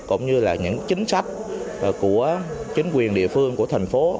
cũng như là những chính sách của chính quyền địa phương của thành phố